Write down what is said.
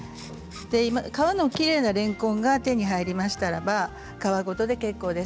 皮のきれいなれんこんが手に入りましたなら皮ごとで結構です。